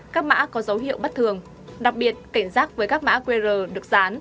các mã có dấu hiệu bất thường đặc biệt cảnh giác với các mã qr được dán